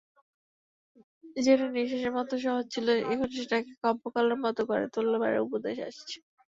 যেটা নিশ্বাসের মতো সহজ ছিল এখন সেটাকে কাব্যকলার মতো করে গড়ে তোলবার উপদেশ আসছে।